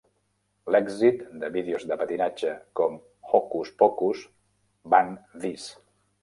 L'èxit de vídeos de patinatge com Hokus Pokus, Ban This!